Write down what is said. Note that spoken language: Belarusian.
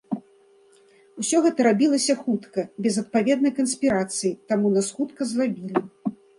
Усё гэта рабілася хутка, без адпаведнай канспірацыі, таму нас хутка злавілі.